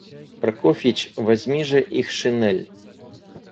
Прокофьич, возьми же их шинель.